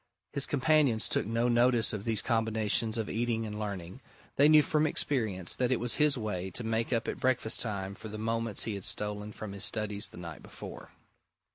His companions took no notice of these combinations of eating and learning: they knew from experience that it was his way to make up at breakfast time for the moments he had stolen from his studies the night before.